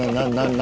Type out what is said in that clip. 何？